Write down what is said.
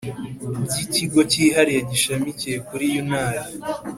By ikigo cyihariye gishamikiye kuri unr